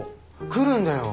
来るんだよ